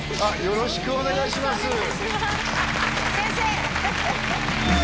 よろしくお願いします先生！